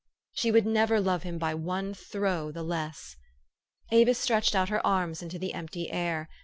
She would never love him by one throe the less. Avis stretched out her arms into the empt}^ air.